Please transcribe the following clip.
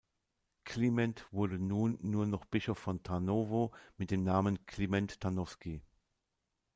Kliment wurde nun nur noch Bischof von Tarnowo mit dem Namen "Kliment Tarnowski".